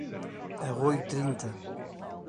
Arroio Trinta